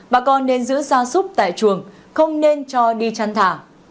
bà con nên giữ ra súc tại chuồng không nên cho đi chăn thả